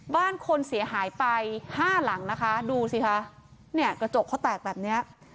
บ้านคนเสียหายไป๕หลังดูสิคะกระจกเขาแตกแบบนี้